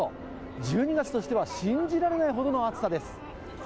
１２月としては信じられないほどの暑さです。